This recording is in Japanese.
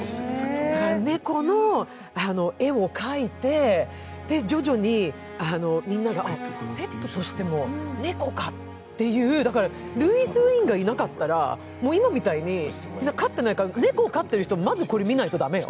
猫の絵を描いて、徐々にみんながペットとしても猫かっていう、ルイス・ウェインがいなかったら、今みたいに猫を飼ってる人はまず、これ見ないと駄目よ。